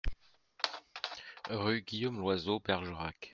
Rue Guillaume Loiseau, Bergerac